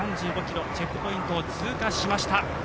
３５ｋｍチェックポイントを過ぎました。